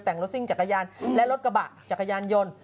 แต่งรถซิ่งจักรยานและรถกระบะจักรยานยนต์